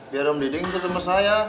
biar om diding ketemu saya